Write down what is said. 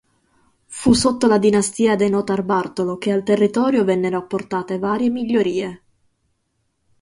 Fu sotto la dinastia dei Notarbartolo che al territorio vennero apportate varie migliorie.